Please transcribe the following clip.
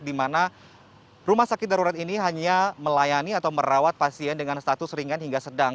di mana rumah sakit darurat ini hanya melayani atau merawat pasien dengan status ringan hingga sedang